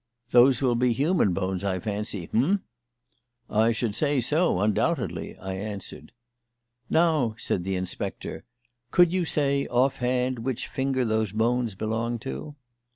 "Those will be human bones, I fancy; h'm?" "I should say so, undoubtedly," I answered. "Now," said the inspector, "could you say, off hand, which finger those bones belong to?"